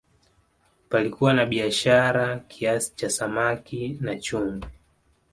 palikuwa na biashara kiasi cha samaki na chumvi